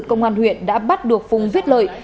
công an huyện đã bắt được phùng viết lợi